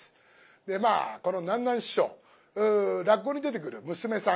まあこの南なん師匠落語に出てくる娘さん